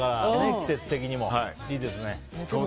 季節的にもいいですね。